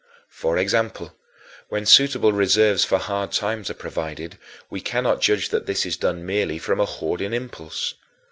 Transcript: For example, when suitable reserves for hard times are provided, we cannot judge that this is done merely from a hoarding impulse.